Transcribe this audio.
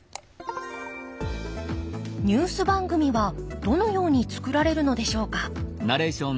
ニュース番組はどのように作られるのでしょうか。